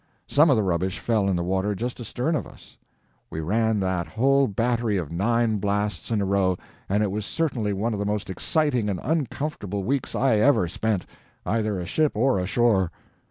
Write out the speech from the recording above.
Some of the rubbish fell in the water just astern of us. We ran that whole battery of nine blasts in a row, and it was certainly one of the most exciting and uncomfortable weeks I ever spent, either aship or ashore.